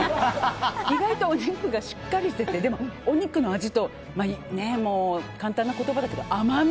意外とお肉がしっかりとしててお肉の味と簡単な言葉だけど、甘み？